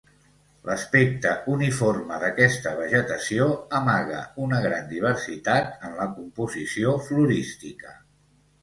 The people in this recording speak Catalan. L’aspecte uniforme d’aquesta vegetació amaga una gran diversitat en la composició florística.